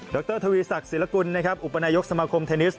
รทวีศักดิ์ศิลกุลนะครับอุปนายกสมาคมเทนนิส